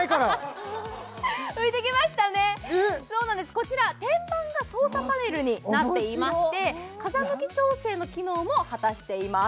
こちら天板が操作パネルになっていまして面白い風向き調整の機能も果たしています